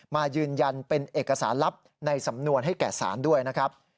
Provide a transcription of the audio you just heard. มายืนยันเป็นเอกสารลับในสำนวนให้แก่ศาลด้วยนะครับ